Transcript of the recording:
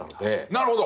なるほど！